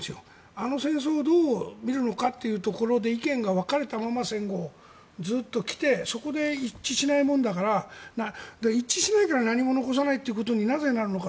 あの戦争をどう見るのかというところで意見が分かれたまま戦後、ずっと来てそこで一致しないものだから一致しないから何も残さないっていうことになぜなるのか